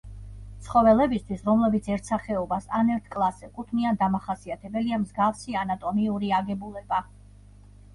ცხოველებისთვის, რომლებიც ერთ სახეობას ან ერთ კლასს ეკუთვნიან, დამახასიათებელია მსგავსი ანატომიური აგებულება.